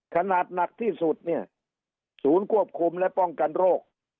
ขนาดหนักที่สุดเนี่ยศูนย์ควบคุมและป้องกันโรค